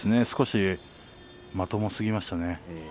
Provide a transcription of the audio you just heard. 少しまともすぎましたね。